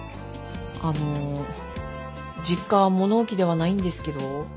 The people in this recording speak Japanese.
あの実家は物置ではないんですけど。